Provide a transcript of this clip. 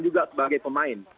itu kelebihan juga sebagai pemain